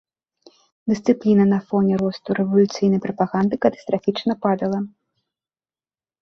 Дысцыпліна на фоне росту рэвалюцыйнай прапаганды катастрафічна падала.